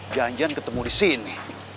janjian ketemu di sini